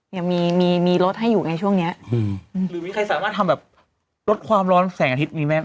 ยังมีมีรถให้อยู่ไงช่วงเนี้ยอืมหรือมีใครสามารถทำแบบลดความร้อนแสงอาทิตย์มีไหม